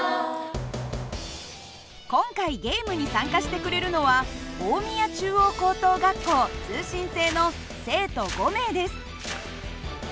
今回ゲームに参加してくれるのは大宮中央高等学校通信制の生徒５名です。